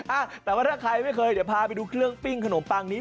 อ่ะแต่ว่าถ้าใครไม่เคยเดี๋ยวพาไปดูเครื่องปิ้งขนมปังนี้